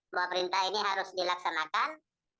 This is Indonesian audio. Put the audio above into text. bahwa perintah ini harus dilaksanakan